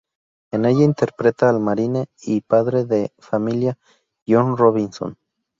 En ella interpreta al marine y padre de familia John Robinson